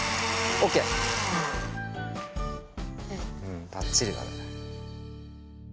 うんばっちりだね。